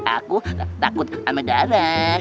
aku takut amat darah